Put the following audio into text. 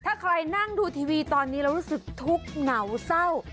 ถ้าใครนั่งดูทีวีตอนนี้เรารู้สึกทุกข์เหงาเศร้า